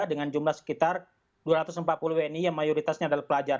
dengan jumlah sekitar dua ratus empat puluh wni yang mayoritasnya adalah pelajar